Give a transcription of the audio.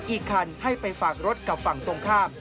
อีกคันให้ไปฝากรถกับฝั่งตรงข้าม